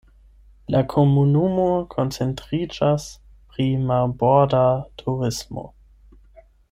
La komunumo koncentriĝas pri marborda turismo.